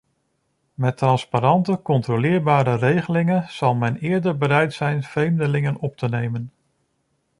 Met transparante, controleerbare regelingen zal men eerder bereid zijn vreemdelingen op te nemen.